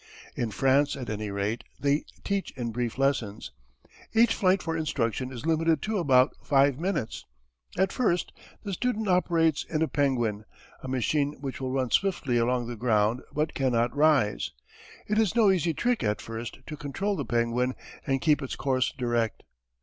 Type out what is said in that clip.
In France, at any rate, they teach in brief lessons. Each flight for instruction is limited to about five minutes. At first the student operates in a "penguin" a machine which will run swiftly along the ground but cannot rise. It is no easy trick at first, to control the "penguin" and keep its course direct.